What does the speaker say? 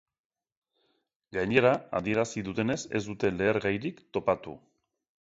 Gainera, adierazi dutenez, ez dute lehergairik topatu.